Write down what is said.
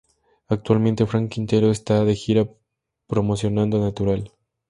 Actualmente, Frank Quintero está de gira promocionando "Natural".